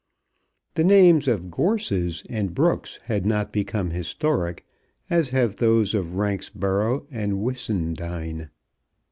The names of gorses and brooks had not become historic, as have those of Ranksborough and Whissendine.